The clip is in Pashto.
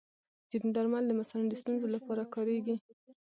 ځینې درمل د مثانې د ستونزو لپاره کارېږي.